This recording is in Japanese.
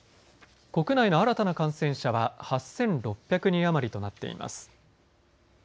国内の新たな感染者は８６００人余りとなっています。